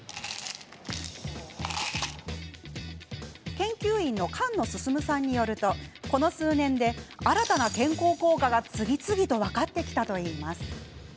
研究員の菅野範さんによるとこの数年で新たな健康効果が次々と分かってきたといいます。